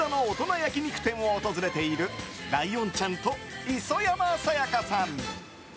焼き肉店を訪れているライオンちゃんと磯山さやかさん。